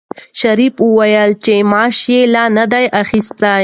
شریف وویل چې معاش یې لا نه دی اخیستی.